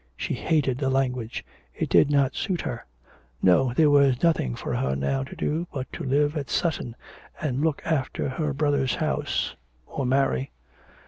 She hated the language. It did not suit her. No, there was nothing for her now to do but to live at Sutton and look after her brother's house or marry....